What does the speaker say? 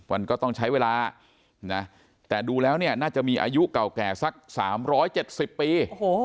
มันก็ต้องใช้เวลานะแต่ดูแล้วเนี่ยน่าจะมีอายุเก่าแก่สัก๓๗๐ปี